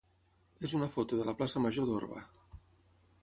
és una foto de la plaça major d'Orba.